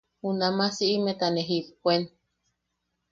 Junnama siʼimeta ne jippuen.